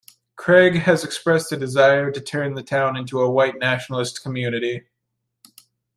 Craig has expressed a desire to turn the town into a white nationalist community.